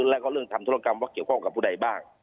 แล้วก็เรื่องทำธุรกรรมว่าเกี่ยวข้องกับผู้ใดบ้าง